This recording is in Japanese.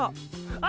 あ！！